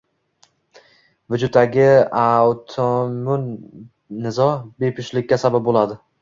Vujuddagi autoimmun nizo bepushtlikka sabab bo‘ladi.